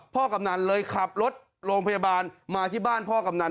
กำนันเลยขับรถโรงพยาบาลมาที่บ้านพ่อกำนัน